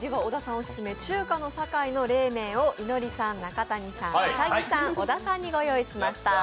オススメ中華のサカイの冷めんをいのりさん、中谷さん、兎さん、小田さんにご用意しました。